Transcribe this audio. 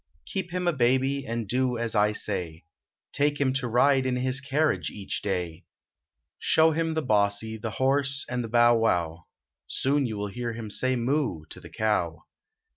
Keep him a baby and do as I say : Take him to ride in his carriage each day ; Show him the bossie, the horse and the bow wow Soon you will hear him say "moo !" to the cow.